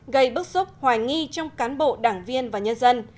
gây bức xúc hoài nghi trong cán bộ đảng viên và nhân dân